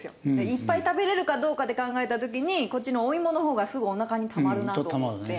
いっぱい食べれるかどうかで考えた時にこっちのお芋の方がすぐおなかにたまるなと思って。